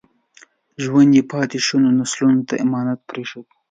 ژوند یې پاتې شونو نسلونو ته امانت پرېښود.